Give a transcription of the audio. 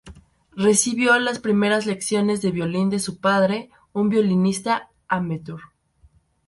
Recibió las primeras lecciones de violín de su padre, un violinista amateur.